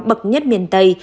bậc nhất miền tây